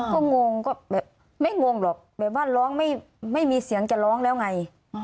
ก็งงก็แบบไม่งงหรอกแบบว่าร้องไม่มีเสียงจะร้องแล้วไง